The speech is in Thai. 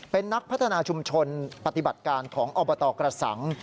เป็นนักพัฒนาชุมชนปฏิบัติการของอบตกระสัง